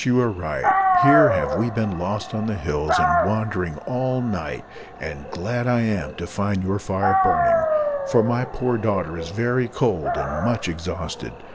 you are right; here have we been lost on the hills, and wandering all night; and glad am I to find your fire burning, for my poor daughter is very cold and much exhausted.